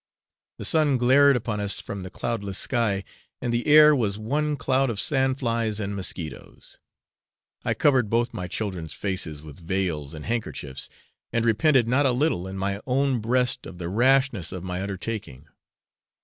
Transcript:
The sun glared upon us from the cloudless sky, and the air was one cloud of sand flies and mosquitoes. I covered both my children's faces with veils and handkerchiefs, and repented not a little in my own breast of the rashness of my undertaking.